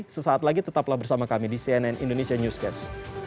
sesaat lagi tetaplah bersama kami di cnn indonesia newscast